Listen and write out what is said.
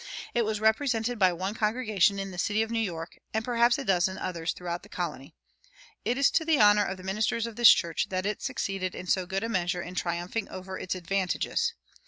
It was represented by one congregation in the city of New York, and perhaps a dozen others throughout the colony.[135:1] It is to the honor of the ministers of this church that it succeeded in so good a measure in triumphing over its "advantages."